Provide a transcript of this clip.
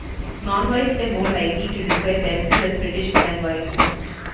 Non-whites were more likely to describe themselves as British than whites.